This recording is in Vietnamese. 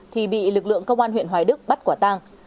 thì bị lực lượng công an huyện hoài đức bắt quả tang